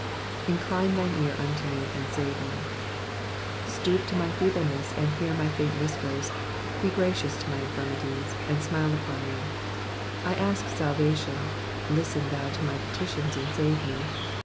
^''Lirline thine ear unto me, and sate me.''* Stoop to my feebleness, and hear my faiut whispers ; be gracious to my infir mities, and smile upon me : I ask salvation ; listen thou to my petitions, and save me.